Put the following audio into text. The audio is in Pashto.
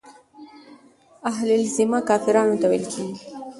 اهل الذمه کافرانو ته ويل کيږي.